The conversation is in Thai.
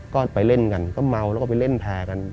ก็ไปเล่นกันก็เมาแล้วก็ไปเล่นแพร่กัน